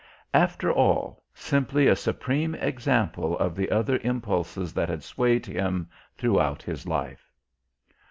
After all, simply a supreme example of the other impulses that had swayed him throughout his life.